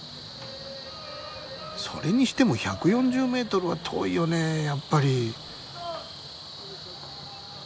それにしても１４０ｍは遠いよねやっぱり。